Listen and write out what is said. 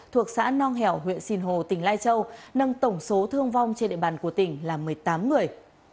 thuộc xã nong hẻo huyện sinh hồ tỉnh lai châu nâng tổng số thương vong trên địa bàn của tỉnh là một mươi tám người